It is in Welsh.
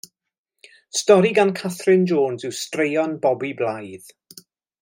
Stori gan Catherine Jones yw Straeon Bobi Blaidd.